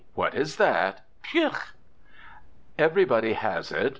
What is that? Phew! Everybody has it.